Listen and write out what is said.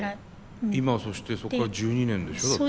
今そしてそこから１２年でしょ？だって。